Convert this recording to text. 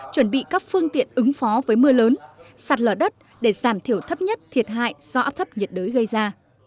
chuẩn bị các phương tiện ứng phó với mưa lớn sạt lở đất để giảm thiểu thấp nhất thiệt hại do áp thấp nhiệt đới gây ra